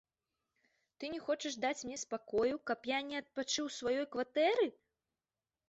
Ты не хочаш даць мне спакою, каб я не адпачыў у сваёй кватэры?